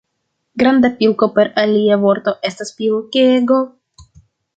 Granda pilko, per alia vorto, estas pilkego.